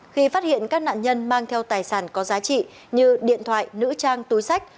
khi phát hiện các nạn nhân mang theo tài sản có giá trị như điện thoại nữ trang túi sách